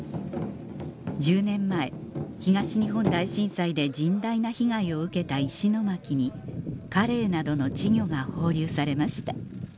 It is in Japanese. １０年前東日本大震災で甚大な被害を受けた石巻にカレイなどの稚魚が放流されました